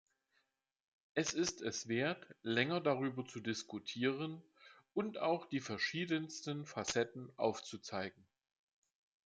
Es ist es wert, länger darüber zu diskutieren und auch die verschiedensten Facetten aufzuzeigen.